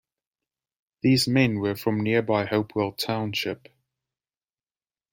These men were from nearby Hopewell Township.